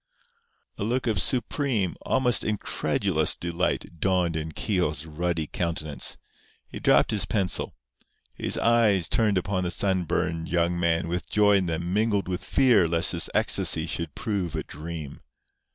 A look of supreme, almost incredulous, delight dawned in Keogh's ruddy countenance. He dropped his pencil. His eyes turned upon the sunburned young man with joy in them mingled with fear lest his ecstasy should prove a dream.